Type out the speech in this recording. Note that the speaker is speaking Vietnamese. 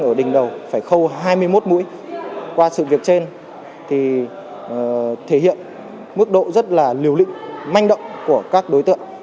hậu quả của đỉnh đầu phải khâu hai mươi một mũi qua sự việc trên thì thể hiện mức độ rất là liều lĩnh manh động của các đối tượng